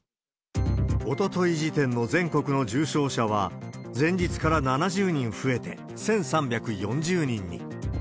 おととい時点の全国の重症者は、前日から７０人増えて１３４０人に。